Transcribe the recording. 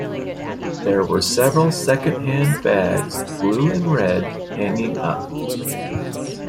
There were several second-hand bags, blue and red, hanging up.